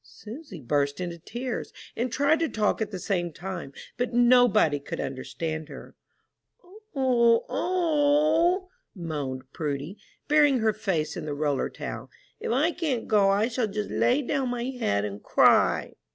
Susy burst into tears, and tried to talk at the same time, but nobody could understand her. "O, O!" moaned Prudy, burying her face in the roller towel, "if I can't go I shall just lay down my head and cry!"